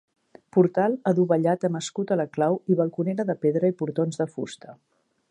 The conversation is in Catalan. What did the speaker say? Portal adovellat amb escut a la clau i balconera de pedra i portons de fusta.